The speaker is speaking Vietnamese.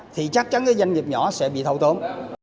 thì chắc chắn các doanh nghiệp nhỏ sẽ bị thâu tốm